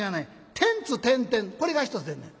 『テンツテンテン』これが一つでんねん」。